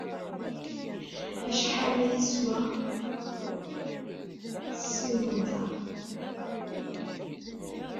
Acḥal ay teswa tsiwant-a?